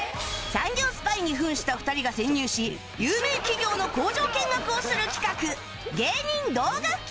産業スパイに扮した２人が潜入し有名企業の工場見学をする企画